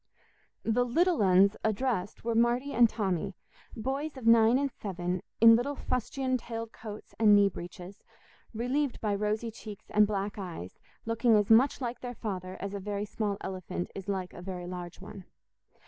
The "little uns" addressed were Marty and Tommy, boys of nine and seven, in little fustian tailed coats and knee breeches, relieved by rosy cheeks and black eyes, looking as much like their father as a very small elephant is like a very large one.